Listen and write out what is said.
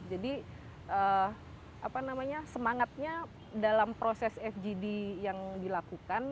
jadi apa namanya semangatnya dalam proses fgd yang dilakukan